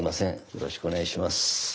よろしくお願いします。